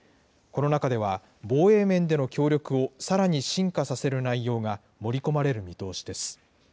この中では、防衛面での協力をさらに深化させる内容が盛り込まれる見通しです。